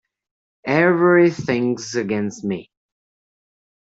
Everything’s against me.